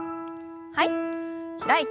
はい。